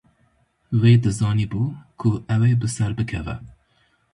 Wê dizanîbû ku ew ê bi ser bikeve.